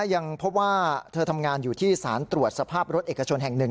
ยังพบว่าเธอทำงานอยู่ที่สารตรวจสภาพรถเอกชนแห่งหนึ่ง